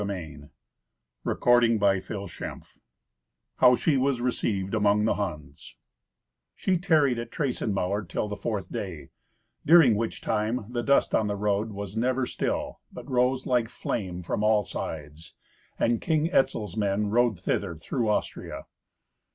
Twenty Second Adventure How She Was Received Among the Huns She tarried at Traisenmauer till the fourth day, during which time the dust on the road was never still, but rose like flame from all sides. And King Etzel's men rode thither through Austria.